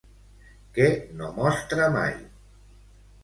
Què no mostra mai?